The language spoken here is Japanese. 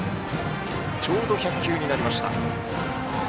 ちょうど１００球になりました。